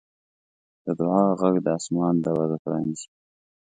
د دعا غږ د اسمان دروازه پرانیزي.